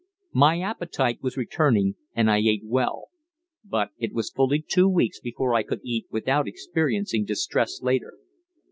My appetite was returning, and I ate well; but it was fully two weeks before I could eat without experiencing distress later.